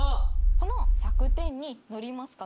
この１００点に乗りますか？